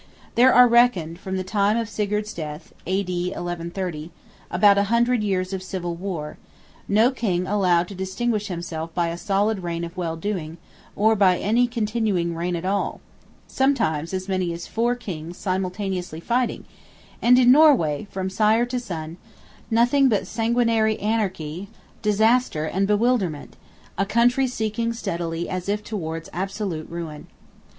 There are reckoned, from the time of Sigurd's death (A.D. 1130), about a hundred years of civil war: no king allowed to distinguish himself by a solid reign of well doing, or by any continuing reign at all, sometimes as many as four kings simultaneously fighting; and in Norway, from sire to son, nothing but sanguinary anarchy, disaster and bewilderment; a Country sinking steadily as if towards absolute ruin.